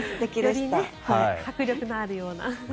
迫力のあるような。